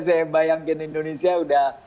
saya bayangin indonesia udah